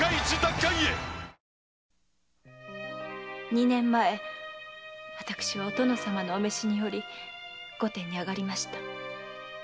二年前私はお殿様のお召しにより御殿に上がりました。